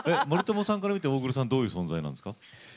森友さんから見て大黒さんどういう存在なんですか？